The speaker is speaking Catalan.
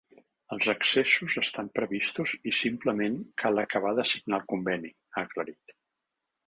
“Els accessos estan previstos i simplement cal acabar de signar el conveni”, ha aclarit.